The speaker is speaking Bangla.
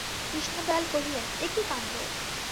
কৃষ্ণদয়াল কহিলেন, এ কী কাণ্ড!